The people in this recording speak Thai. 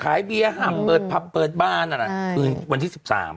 ขายเบียร์หั่ำเพิ่ดบ้านวันที่๑๓